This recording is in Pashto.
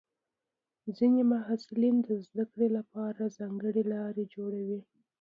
ځینې محصلین د زده کړې لپاره ځانګړې لارې جوړوي.